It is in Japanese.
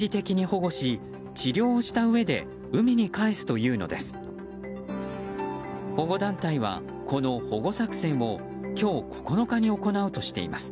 保護団体は、この保護作戦を今日９日に行うとしています。